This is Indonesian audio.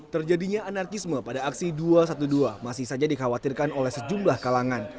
terjadinya anarkisme pada aksi dua ratus dua belas masih saja dikhawatirkan oleh sejumlah kalangan